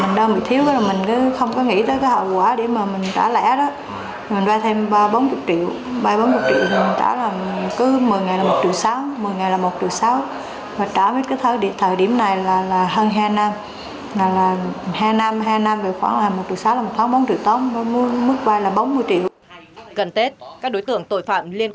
gần tết các đối tượng tội phạm liên quan đến tìm kiếm vây lãi nặng